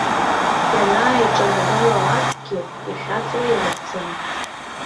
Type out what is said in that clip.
Ианааиҿанагалалакгьы ихьаҵуа иакәӡам.